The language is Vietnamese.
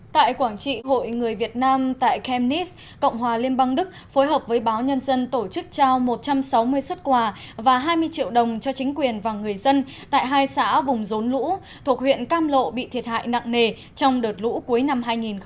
tại quảng trị hội người việt nam tại kennis cộng hòa liên bang đức phối hợp với báo nhân dân tổ chức trao một trăm sáu mươi xuất quà và hai mươi triệu đồng cho chính quyền và người dân tại hai xã vùng rốn lũ thuộc huyện cam lộ bị thiệt hại nặng nề trong đợt lũ cuối năm hai nghìn một mươi tám